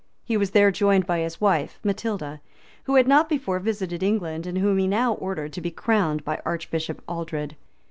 He was here joined by his wife, Matilda, who had not before visited England, and whom he now ordered to be crowned by Archbishop Aldred.